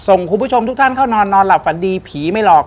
คุณผู้ชมทุกท่านเข้านอนนอนหลับฝันดีผีไม่หลอก